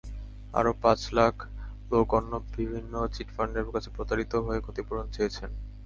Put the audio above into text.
আরও পাঁচ লাখ লোক অন্য বিভিন্ন চিটফান্ডের কাছে প্রতারিত হয়ে ক্ষতিপূরণ চেয়েছেন।